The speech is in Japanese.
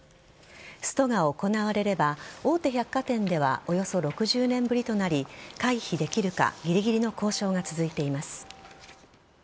ストが行われれば大手百貨店ではおよそ６０年ぶりとなり回避できるかぎりぎりの交渉が続いています。